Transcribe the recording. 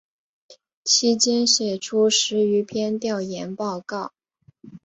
其间写出十余篇调研报告。